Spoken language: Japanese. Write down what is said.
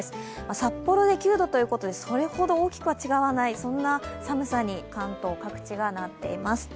札幌で９度ということでそれほど大きくは違わない、そんな寒さに関東各地がなっています。